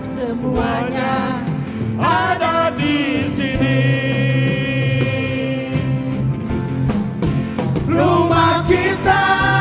semuanya ada disini rumah kita